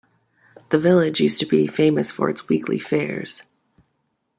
The village used to be famous for its weekly fairs.